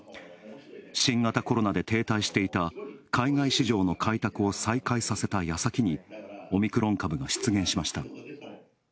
新型コロナで停滞していた海外市場の開拓を再開させたやさきにオミクロン株が出現しました。